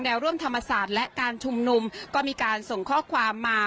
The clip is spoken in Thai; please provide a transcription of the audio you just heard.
ร่วมธรรมศาสตร์และการชุมนุมก็มีการส่งข้อความมา